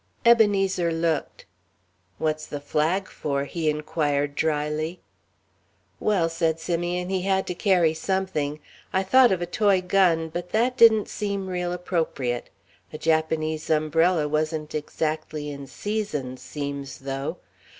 Ebenezer looked. "What's the flag for?" he inquired dryly. "Well," said Simeon, "he had to carry something. I thought of a toy gun but that didn't seem real appropriate. A Japanese umbrella wasn't exactly in season, seems though.